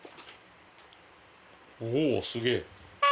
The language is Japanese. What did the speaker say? おおすげえ。